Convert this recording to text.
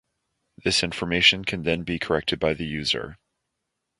This information can then be corrected by the user.